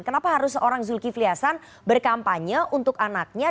kenapa harus seorang zulkifli hasan berkampanye untuk anaknya